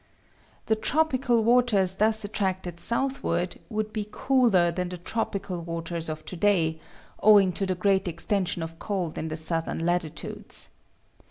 The tropical waters thus attracted southward would be cooler than the tropical waters of to day, owing to the great extension of cold in the southern latitudes.